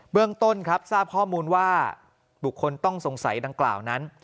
เรื่องต้นครับทราบข้อมูลว่าบุคคลต้องสงสัยดังกล่าวนั้น